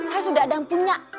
saya sudah ada yang punya